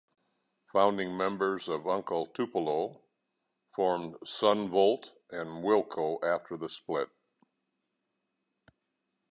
Founding members of Uncle Tupelo formed Son Volt and Wilco after the split.